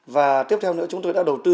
và tiếp theo nữa chúng tôi đã đầu tư